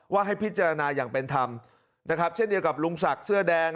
ให้พิจารณาอย่างเป็นธรรมนะครับเช่นเดียวกับลุงศักดิ์เสื้อแดง